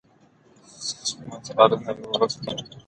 سمت پالنه یووالی له منځه وړي